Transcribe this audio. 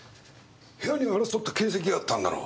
部屋には争った形跡があったんだろ？